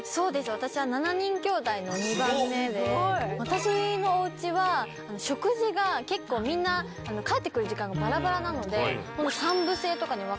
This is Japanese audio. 私は７人きょうだいの２番目で、私のおうちは、食事が結構、みんな帰ってくる時間がばらばらなので、えー？